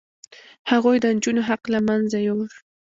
هغوی د نجونو حق له منځه یووړ.